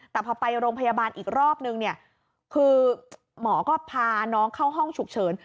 แต่พอไปโรงพยาบาลอีกรอบนึงเนี่ยคือหมอก็พาน้องเข้าห้องฉุกเฉิน